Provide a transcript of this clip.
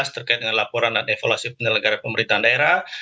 terkait dengan laporan dan evaluasi penyelenggara pemerintahan daerah